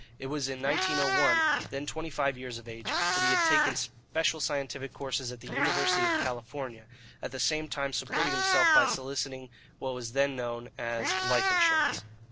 It was in 1901, then twenty five years of age, that he had taken special scientific courses at the University of California, at the same time supporting himself by soliciting what was then known as "life insurance."